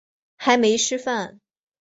还没吃饭